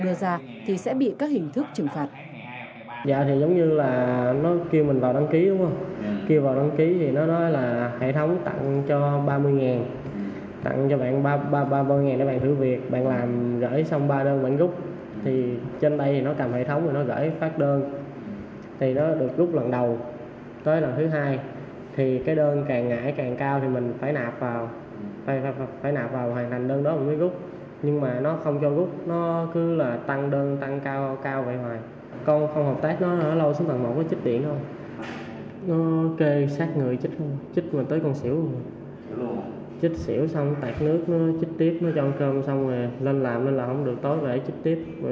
đưa ra thì sẽ bị các hình thức trừng phạt